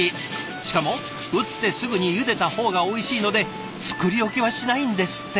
しかも打ってすぐにゆでた方がおいしいので作り置きはしないんですって。